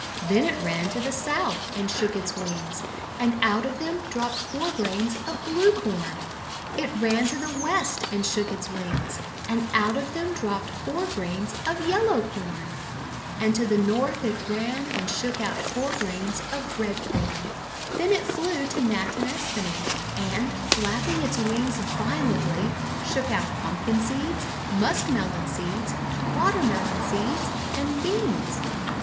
Then it ran to the South and shook its wings, and out of them dropped four grains of Blue Corn. It ran to the West and shook its wings, and out of them dropped four grains of Yellow Corn; and to the North it ran and shook out four grains of Red Corn. THE TURKEY GIVEN CORN 365 Then it flew to Natinesthani, and, flapping its wings violently, shook out Pumpkin seeds, Muskmelon seeds, Watermelon seeds, and Beans.